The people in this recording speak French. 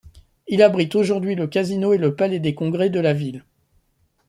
Il abrite aujourd'hui le casino et le palais des Congrès de la ville.